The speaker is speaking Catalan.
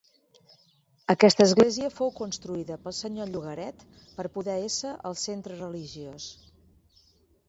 Aquesta església fou construïda pel senyor Llogaret per poder ésser el centre religiós.